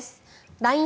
ＬＩＮＥ